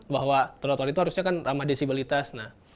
bahwa trotoar itu harusnya kan ramah disabilitas